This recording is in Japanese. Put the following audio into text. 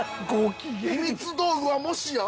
秘密道具は、もしや？